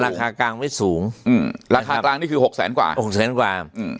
ประมาณราคากลางไว้สูงอืมราคากลางนี่คือหกแสนกว่าหกแสนกว่าอืม